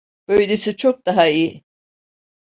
Böylesi çok daha iyi.